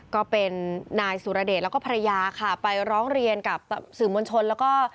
ก็เป็นนายสุรเดชแล้วก็ภรรยาค่ะไปร้องเรียนกับสื่อมวลชนแล้วก็